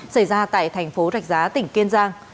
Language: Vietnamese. xảy ra tại thành phố rạch giá tỉnh kiên giang